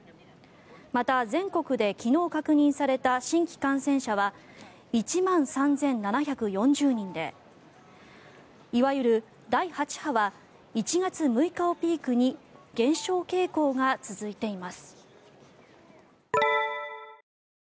また全国で昨日確認された新規感染者は１万３７４０人でいわゆる第８波は１月６日をピークに減少傾向が続いています。